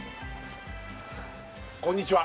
こんにちは